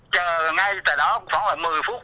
chờ ngay tại đó khoảng một mươi phút